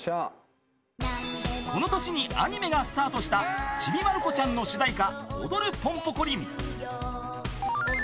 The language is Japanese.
［この年にアニメがスタートした『ちびまる子ちゃん』の主題歌］